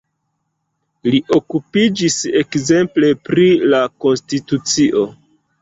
Li okupiĝis ekzemple pri la konstitucio.